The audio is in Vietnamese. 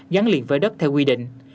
gắn liền với đất theo quy định